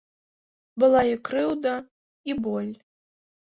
Была і крыўда і боль.